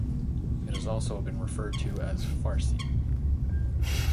It has also been referred to as "farcy".